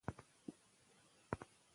ډاکټر بالاتا وايي قطعي ځوابونه مهم دي.